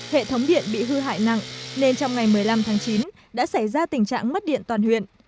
hệ thống điện bị hư hại nặng nên trong ngày một mươi năm tháng chín đã xảy ra tình trạng mất điện toàn huyện